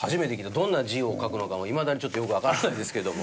どんな字を書くのかもいまだにちょっとよくわからないですけれども。